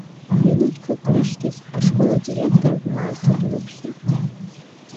Минуҭқәак рышьҭахь, ашкол адиректор Марҭа длыԥхьеит.